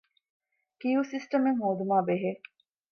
ކިޔޫ ސިސްޓަމެއް ހޯދުމާބެހޭ